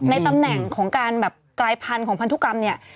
ในตำแหน่งของการแบบกลายพันธุ์ของพันธุกรรมเนี่ย